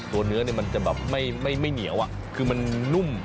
เนื้อมันจะแบบไม่เหนียวคือมันนุ่ม